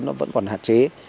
nó vẫn còn hạn chế